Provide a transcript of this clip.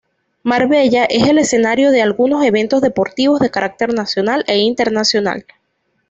Marbella es el escenario de algunos eventos deportivos de carácter nacional e internacional.